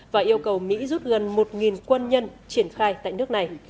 và yêu cầu mỹ rút gần một quân nhân triển khai tại nước này